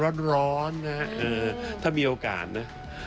ราเมงร้อนนะฮะถ้ามีโอกาสนะ